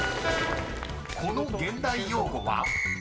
［この現代用語は？］